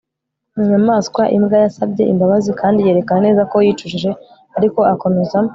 inyamaswa imbwa yasabye imbabazi kandi yerekana neza ko yicujije, ariko akomeza